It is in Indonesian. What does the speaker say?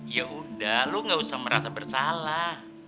ya udah lo ga usah merasa bersalah